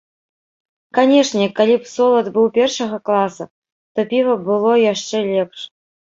Канешне, калі б солад быў першага класа, то піва б было яшчэ лепш.